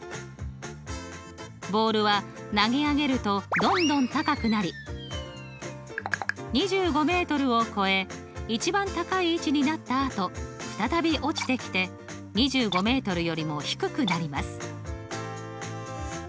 ボールは投げ上げるとどんどん高くなり２５を超え一番高い位置になったあと再び落ちてきて２５よりも低くなります。